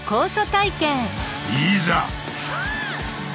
いざ！